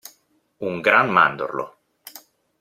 Un gran mandorlo.